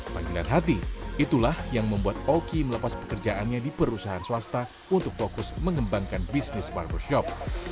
panggilan hati itulah yang membuat oki melepas pekerjaannya di perusahaan swasta untuk fokus mengembangkan bisnis barbershop